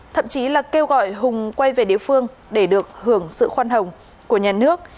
thậm chí là kêu gọi hùng quay về địa phương để được hưởng sự khoan hồng của nhà nước